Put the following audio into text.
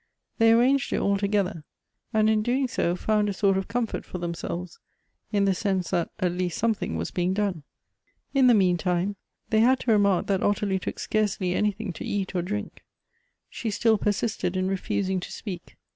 They arranged it all together, and in doing so found a sort of comfort for themselves in the sense that at least some thing was being done. In the meantime they had to remark that Ottilie took scarcely anything to eat or drink. She still persisted in refusing to speak.